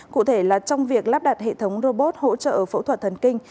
cụ thể là trong việc lắp đặt hệ thống robot hỗ trợ phẫu thuật thần kinh